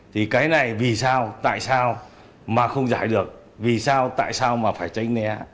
thì cái này vì sao tại sao mà không giải được vì sao tại sao mà phải tránh né